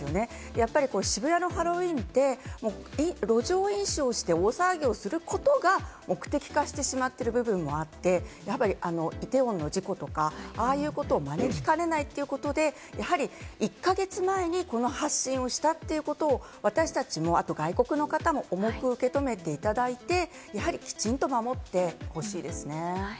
やっぱり渋谷のハロウィーンって路上飲酒をして大騒ぎをすることが目的化してしまっている部分もあって、イテウォンの事故とか、ああいうことを招きかねないということで、１か月前にこの発信をしたということを私達も外国の方も重く受け止めていただいて、やはりきちんと守ってほしいですね。